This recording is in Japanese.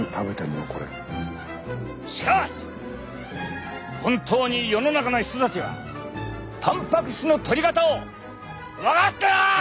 しかし本当に世の中の人たちはたんぱく質のとり方を分かってない！